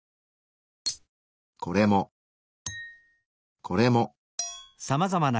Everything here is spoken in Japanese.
これも。これも。